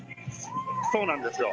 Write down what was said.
そうなんです。